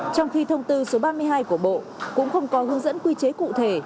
trong khi thông tư số ba mươi hai của bộ cũng không có hướng dẫn quy chế cụ thể